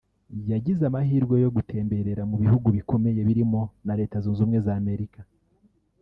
yagize amahirwe yo gutemberera mu bihugu bikomeye birimo na Leta Zunze Ubumwe za Amerika